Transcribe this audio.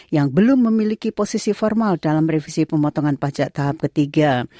yang belum memiliki posisi formal dalam revisi pemotongan pajak tahap ketiga